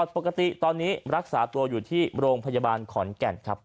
ปกติตอนนี้รักษาตัวอยู่ที่โรงพยาบาลขอนแก่นครับ